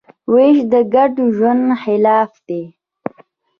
وېش د ګډ ژوند خلاف دی.